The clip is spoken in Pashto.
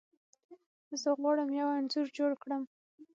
زه غواړم یو انځور جوړ کړم.